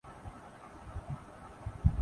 نہ کسی پٹواری پہ۔